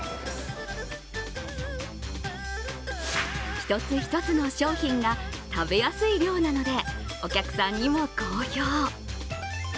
一つ一つの商品が食べやすい量なのでお客さんにも好評。